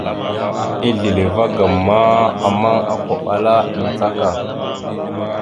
Asleva agam ma, ammaŋ okoɓala amətak.